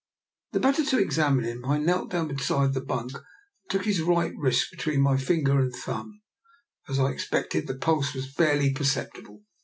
The better to examine him, I knelt down be side the bunk and took his right wrist between my finger and thumb. As I expected, the pulse was barely perceptible.